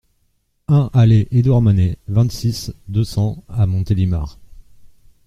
un allée Edouard Manet, vingt-six, deux cents à Montélimar